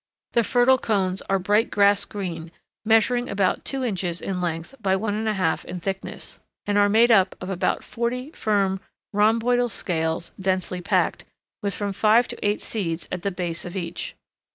The fertile cones are bright grass green, measuring about two inches in length by one and a half in thickness, and are made up of about forty firm rhomboidal scales densely packed, with from five to eight seeds at the base of each.